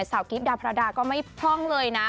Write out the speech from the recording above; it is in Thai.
กิฟต์ดาพระดาก็ไม่พร่องเลยนะ